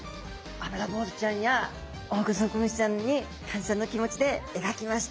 アブラボウズちゃんやオオグソクムシちゃんに感謝の気持ちで描きました。